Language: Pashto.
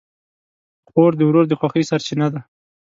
خور د ورور د خوښۍ سرچینه ده.